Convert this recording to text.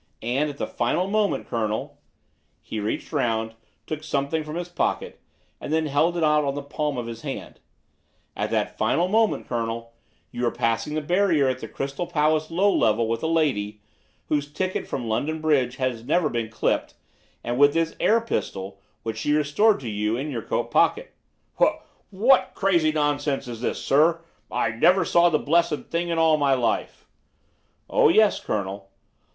And at that final moment, Colonel," he reached round, took something from his pocket, and then held it out on the palm of his hand, "at that final moment, Colonel, you were passing the barrier at the Crystal Palace Low Level with a lady, whose ticket from London Bridge had never been clipped, and with this air pistol, which she had restored to you, in your coat pocket!" "W w what crazy nonsense is this, sir? I never saw the blessed thing in all my life." "Oh, yes, Colonel.